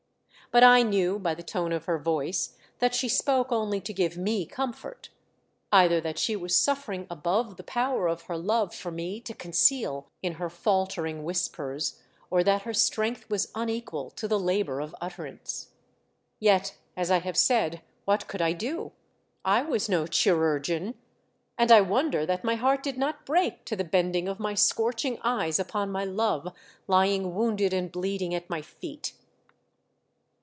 But I knew by the tone of her voice that she spoke only to give me comfort ; either that she was suffering above the power of her love for me to conceal in her faltering whispers or that her strength was unequal to the labour of utterance. Yet, as I have said, what could I do ? I was no chirurgeon; and I wonder that my heart did not break to the bending of my scorching eyes upon my love lying wounded and bleeding at my feet.